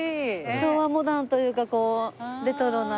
昭和モダンというかこうレトロな。